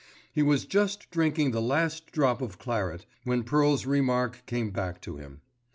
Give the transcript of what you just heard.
He was just drinking the last drop of claret, when Pearl's remark came back to him.